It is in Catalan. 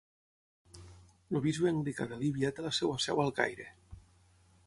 El bisbe anglicà de Líbia té la seva seu al Caire.